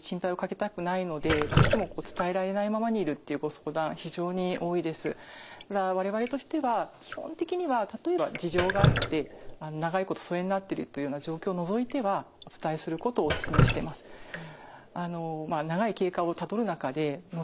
ただ我々としては基本的には例えば事情があって長いこと疎遠になってるというような状況を除いてはお伝えすることをお勧めしてます。